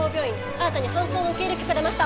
新たに搬送の受け入れ許可出ました！